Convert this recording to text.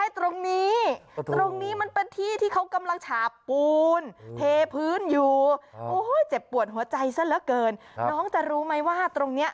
แต่ไม่ใช่ตรงนี้